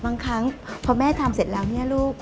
บางครั้งพอแม่ทำเสร็จแล้วเนี่ยลูก